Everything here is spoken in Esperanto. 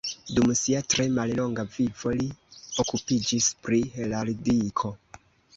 Dum sia tre mallonga vivo li okupiĝis pri heraldiko.